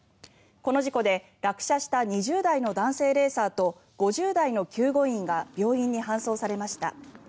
この事故で落車した２０代の男性レーサーと５０代の救護員が病院に搬送されました。